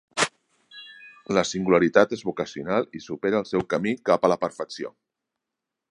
La singularitat és vocacional i supera el seu camí cap a la perfecció.